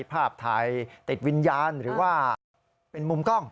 ภาพถ่ายติดวิญญาณหรือว่าเป็นมุมกล้อง